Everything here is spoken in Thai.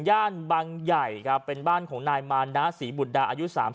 ย่านบังใหญ่ครับเป็นบ้านของนายมานะศรีบุตรดาอายุ๓๐